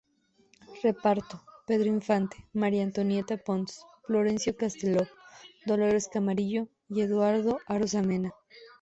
Reparto: Pedro Infante, María Antonieta Pons, Florencio Castelló, Dolores Camarillo y Eduardo Arozamena.